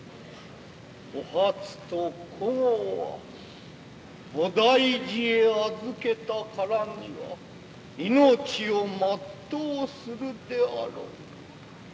お初と江は菩提寺へ預けたからには命を全うするであろう。